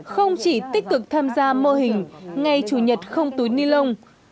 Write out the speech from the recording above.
không chỉ tích cực tham gia mô hình ngày chủ nhật không túi ni lông